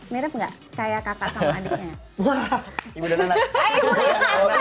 mirip nggak kayak kakak sama adiknya